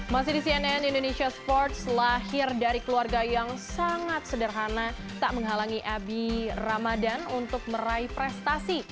masih di cnn indonesia sports lahir dari keluarga yang sangat sederhana tak menghalangi abi ramadan untuk meraih prestasi